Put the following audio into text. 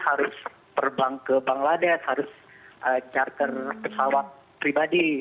harus terbang ke bangladesh harus charter pesawat pribadi